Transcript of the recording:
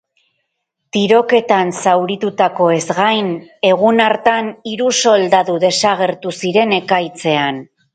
Tiroketan zauritutakoez gain, egun hartan hiru soldadu desagertu ziren ekaitzean.